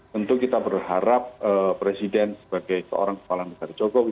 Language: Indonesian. tentu kita berharap presiden sebagai seorang kepala negara jokowi